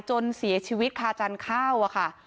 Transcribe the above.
จนเสียชีวิตคาจันเข้า